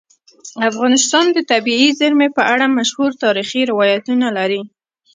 افغانستان د طبیعي زیرمې په اړه مشهور تاریخی روایتونه لري.